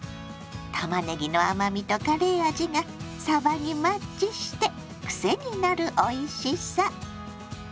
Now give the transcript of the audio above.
たまねぎの甘みとカレー味がさばにマッチしてクセになるおいしさ！